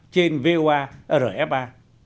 trên voa rfa